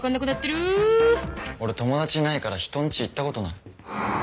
俺友達いないから人んち行ったことない。